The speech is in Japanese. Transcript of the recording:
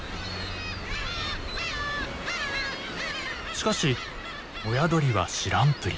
しかし親鳥は知らんぷり。